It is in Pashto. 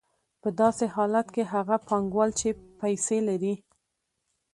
په داسې حالت کې هغه پانګوال چې پیسې لري